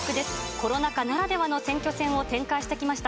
コロナ禍ならではの選挙戦を展開してきました